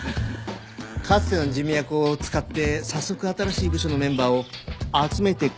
かつての人脈を使って早速新しい部署のメンバーを集めてくださったんですよね？